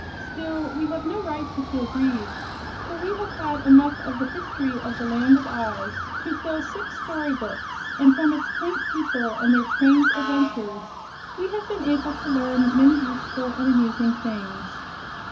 Still, we have no right to feel grieved, for we have had enough of the history of the Land of Oz to fill six story books, and from its quaint people and their strange adventures we have been able to learn many useful and amusing things.